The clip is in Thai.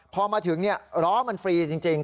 พอมาถึงล้อมันฟรีจริง